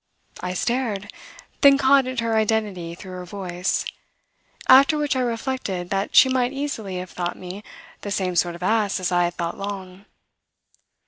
I stared, then caught at her identity through her voice; after which I reflected that she might easily have thought me the same sort of ass as I had thought Long.